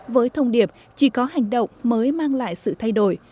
với thông điệp chỉ có hành động mới mang lại sự thay đổi